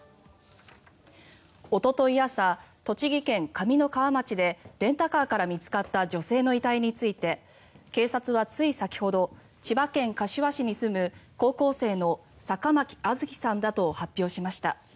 おととい朝、栃木県上三川町でレンタカーから見つかった女性の遺体について警察はつい先ほど千葉県柏市に住む高校生の坂巻杏月さんだと発表しました。